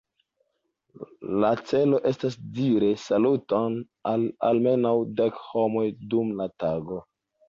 La celo estas diri saluton al almenaŭ dek homoj dum la tago.